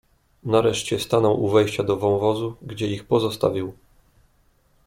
"Nareszcie stanął u wejścia do wąwozu, gdzie ich pozostawił."